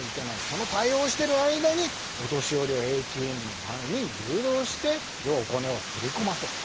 その対応をしている間にお年寄りをＡＴＭの前に誘導して、お金を振り込ませる。